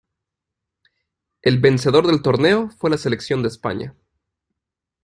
El vencedor del torneo fue la selección de España.